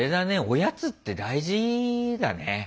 おやつって大事だね。